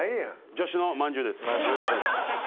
助手のまんじゅうです。